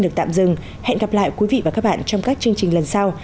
được tạm dừng hẹn gặp lại quý vị và các bạn trong các chương trình lần sau